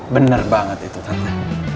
bener banget itu tante